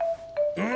うん。